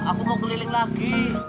aku mau keliling lagi